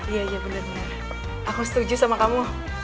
iya iya bener aku setuju sama kamu